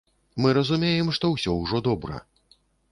Мы разумеем, што ўсё ўжо добра.